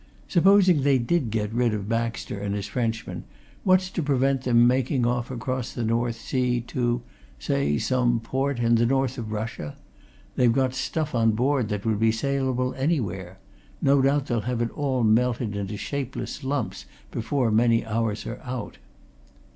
Supposing they did get rid of Baxter and his Frenchman, what's to prevent them making off across the North Sea to, say, some port in the north of Russia? They've got stuff on board that would be saleable anywhere no doubt they'll have melted it all into shapeless lumps before many hours are out."